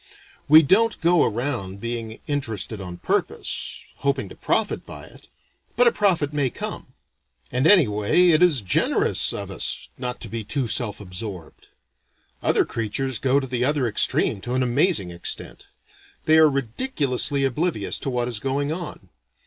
We don't go around being interested on purpose, hoping to profit by it, but a profit may come. And anyway it is generous of us not to be too self absorbed. Other creatures go to the other extreme to an amazing extent. They are ridiculously oblivious to what is going on.